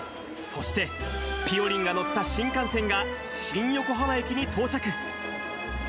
そして、ぴよりんが乗った新幹線が、新横浜駅に到着。